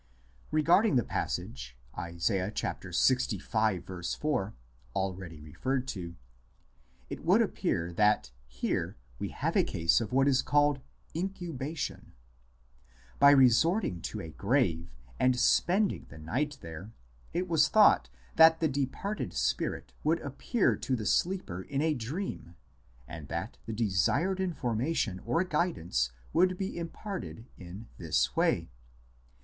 Regarding the passage Isa. Ixv. 4, already referred to, it would appear that here we have a case of what is called " incubation "; by resorting to a grave and spending the night there, it was thought that the departed spirit would appear to the sleeper in a dream and that the desired infor mation or guidance would be imparted in this way.